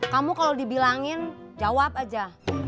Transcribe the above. kamu kalau dibilangin jawab aja